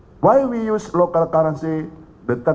mengapa kita menggunakan kewangan lokal